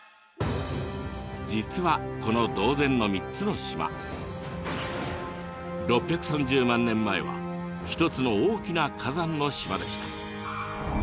実はこの島前の３つの島６３０万年前は一つの大きな火山の島でした。